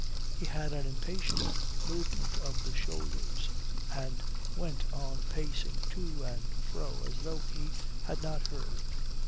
He had an impatient movement of the shoulders and went on pacing to and fro as though he had not heard.